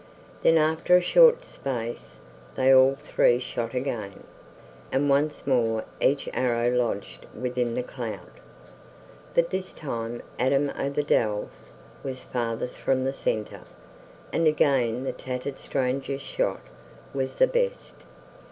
Then after a short space they all three shot again, and once more each arrow lodged within the clout, but this time Adam o' the Dell's was farthest from the center, and again the tattered stranger's shot was the best.